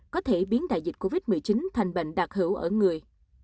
có thể biến đại dịch covid một mươi chín thành bệnh đặc hữu ở người